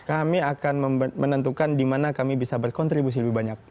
kami akan menentukan dimana kami bisa berkontribusi lebih banyak